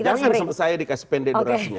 jangan sampai saya dikasih pendek durasinya